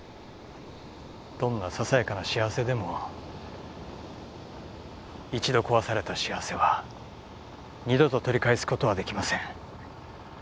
どんなささやかな幸せでも一度壊された幸せは二度と取り返すことはできません。